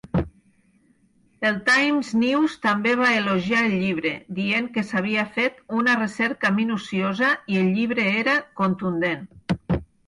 El Times-News també va elogiar el llibre, dient que s'havia fet "una recerca minuciosa" i el llibre era "contundent".